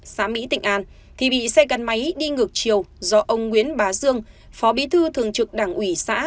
xã mỹ tịnh an thì bị xe gắn máy đi ngược chiều do ông nguyễn bá dương phó bí thư thường trực đảng ủy xã